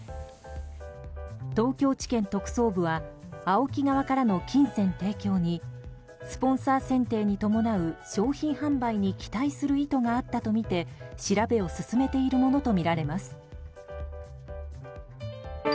東京地検特捜部はＡＯＫＩ側からの金銭提供にスポンサー選定に伴う商品販売に期待する意図があったとみて調べを進めているものとみられます。